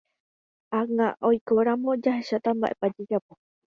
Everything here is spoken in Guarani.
Ág̃a oikóramo jahecháta mba'épa jajapo.